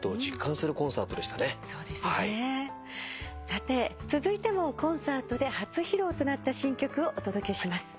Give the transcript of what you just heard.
さて続いてもコンサートで初披露となった新曲をお届けします。